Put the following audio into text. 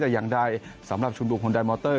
แต่ยังได้สำหรับชุมบุคคลไฮมอตเตอร์